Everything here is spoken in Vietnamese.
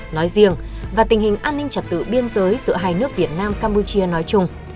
nói riêng và tình hình an ninh trật tự biên giới giữa hai nước việt nam campuchia nói chung